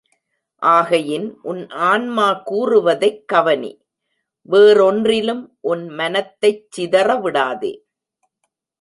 ஆகையின் உன் ஆன்மா கூறுவதைக் கவனி வேறொன்றிலும் உன் மனத்தைச் சிதற விடாதே.